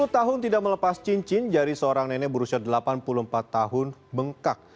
sepuluh tahun tidak melepas cincin jari seorang nenek berusia delapan puluh empat tahun bengkak